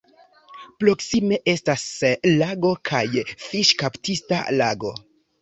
Proksime estas lago kaj fiŝkaptista lago.